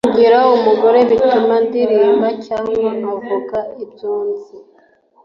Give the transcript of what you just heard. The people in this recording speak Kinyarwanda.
Kugira umugore bituma ndirimba cyangwa nkavuga ibyo nzi